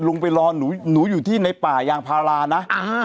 ไปรอหนูหนูอยู่ที่ในป่ายางพารานะ